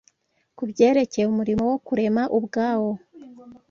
Ku byerekeye umurimo wo kurema ubwawo